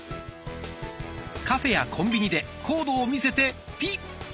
カフェやコンビニでコードを見せてピッ！